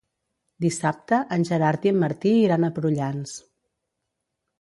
Dissabte en Gerard i en Martí iran a Prullans.